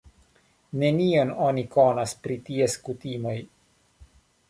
Nenion oni konas pri ties kutimoj.